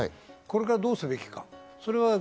これからどうすべきか。